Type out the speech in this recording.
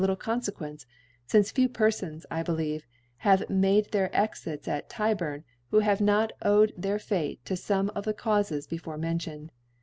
little t ( i04 ) little Confequencc ; fince few Perfons, I be lieve, have made their Exit at Tyburn^ who have not owed their Fate to fomc of the Caufes before mentioned.